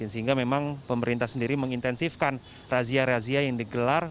sehingga memang pemerintah sendiri mengintensifkan razia razia yang digelar